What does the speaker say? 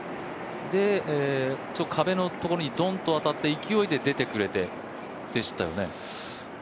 で、壁のところにどんと当たって勢いで出てくれてでしたよね。